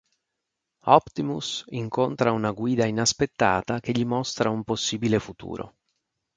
Optimus incontra una guida inaspettata che gli mostra un possibile futuro.